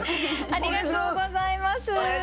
ありがとうございます。